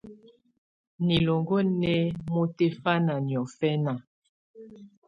Niloko nɛ́ mùtɛ̀fana niɔ̀fɛ̀na.